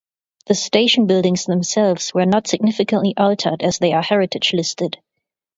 The station buildings themselves were not significantly altered as they are heritage listed.